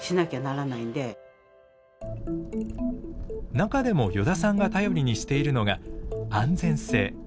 中でも依田さんが頼りにしているのが安全性。